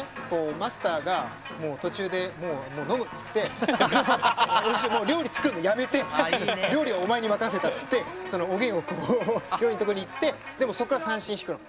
マスターが途中で飲むって言って料理作るのやめて料理はお前に任せたって言っておげんを料理のところに行ってでもそこから三線弾くの。